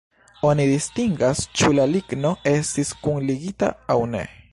Oni distingas, ĉu la ligno estis kunligita aŭ ne.